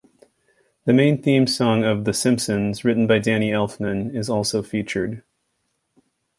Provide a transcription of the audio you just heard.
The main theme song of "The Simpsons", written by Danny Elfman, is also featured.